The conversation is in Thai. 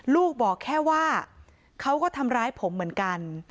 ลูกบอกแค่ว่าเขาก็ทำร้ายผมเหมือนกัน